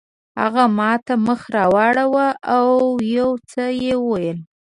هغه ماته مخ راواړاوه او یو څه یې وویل.